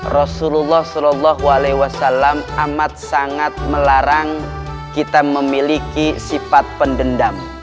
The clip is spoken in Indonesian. rasulullah saw amat sangat melarang kita memiliki sifat pendendam